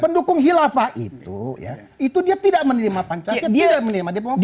pendukung khilafah itu ya itu dia tidak menerima pancasila tidak menerima dipengaruhi